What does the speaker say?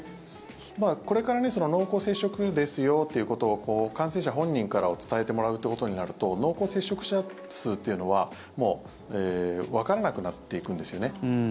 これから濃厚接触ですよってことを感染者本人から伝えてもらうということになると濃厚接触者数というのはわからなくなっていくんですね。